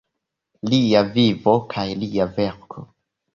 Lia vivo kaj lia verko.